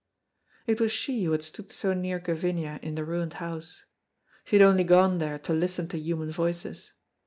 It was she who had stood so near Gavinia in the ruined house. She had only gone there to listen to human voices.